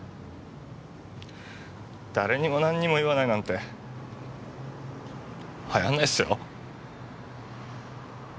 誰にも何にも言わないなんて流行んないっすよ。